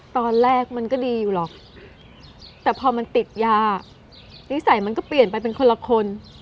ตอนแรกมันก็ดีอยู่หรอกแต่พอมันติดยานิสัยมันก็เปลี่ยนไปเป็นคนละคน